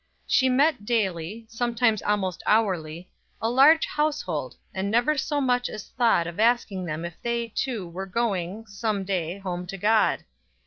She met daily, sometimes almost hourly, a large household, and never so much as thought of asking them if they, too, were going, some day, home to God.